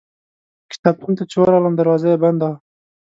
کتابتون ته چې ورغلم دروازه یې بنده وه.